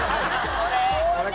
これ。